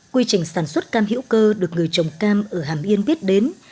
quy trình sản xuất cam hữu cơ được người trồng cam ở hàm yên biết đến